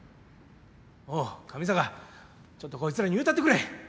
おう上坂ちょっとこいつらに言うたってくれ。